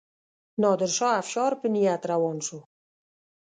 نادرشاه افشار په نیت روان شو.